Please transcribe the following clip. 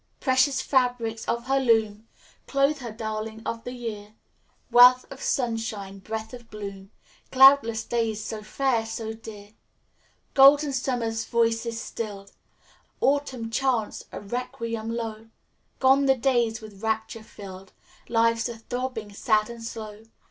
Precious fabrics of her loom Clothe her darling of the year; Wealth of sunshine; breath of bloom; Cloudless days, so fair, so dear. "Golden Summer's voice is stilled Autumn chants a requiem low. Gone the days with rapture filled. Life's a throbbing, sad and slow.